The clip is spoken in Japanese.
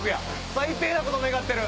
最低なこと願ってる。